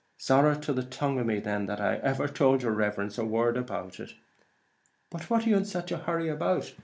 "Sorrow to the tongue of me then that I tould yer riverence a word about it!" "But what are you in such a hurry about?